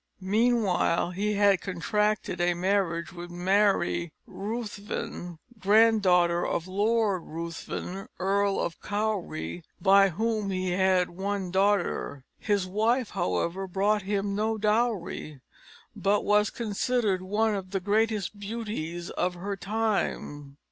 Meanwhile, he had contracted a marriage with Mary Ruthven, granddaughter of Lord Ruthven, Earl of Cowrie, by whom he had one daughter. His wife, however, brought him no dowrie, but was considered one of the greatest beauties of her time.